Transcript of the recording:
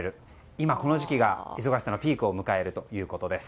今この時期が忙しさのピークを迎えるということです。